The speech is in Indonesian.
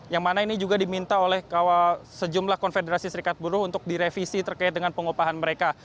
yang mana ini juga diminta oleh sejumlah konfederasi serikat buruh untuk direvisi terkait dengan pengupahan mereka